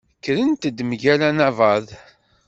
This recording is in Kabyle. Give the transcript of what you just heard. Kkrent-d mgal anabaḍ.